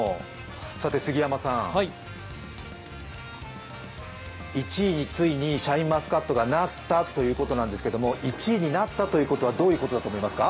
さて杉山さん、１位についにシャインマスカットがなったということですが１位になったということはどういうことだと思いますか？